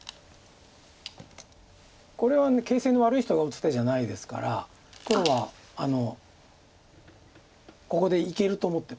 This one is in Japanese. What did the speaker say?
これは形勢の悪い人が打つ手じゃないですから黒はここでいけると思ってます。